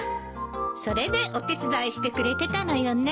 それでお手伝いしてくれてたのよね。